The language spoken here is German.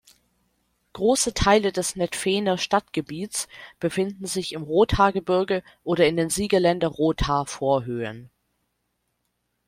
Große Teile des Netphener Stadtgebiets befinden sich im Rothaargebirge oder in den Siegerländer Rothaar-Vorhöhen.